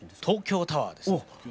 東京タワーです。